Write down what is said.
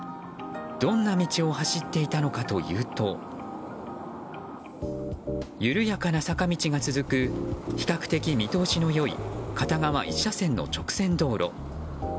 どんな道を走っていたのかというと緩やかな坂道が続く比較的見通しの良い片側１車線の直線道路。